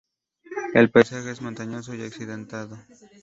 El paisaje es montañoso y accidentado.